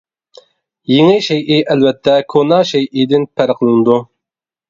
يېڭى شەيئى ئەلۋەتتە كونا شەيئىدىن پەرقلىنىدۇ.